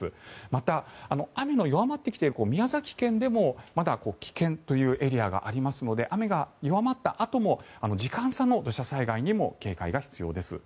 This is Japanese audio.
また、雨の弱まってきている宮崎県でもまだ、危険というエリアがありますので雨が弱まったあとも時間差の土砂災害にも警戒が必要です。